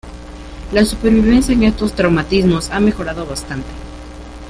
La supervivencia en estos traumatismos ha mejorado bastante.